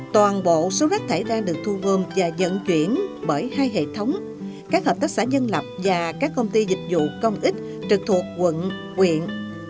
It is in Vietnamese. toàn bộ số rác thải đang được thu gom và dẫn chuyển bởi hai hệ thống các hợp tác xã dân lập và các công ty dịch vụ công ích trực thuộc quận quyện